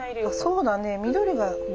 あっそうだね緑が。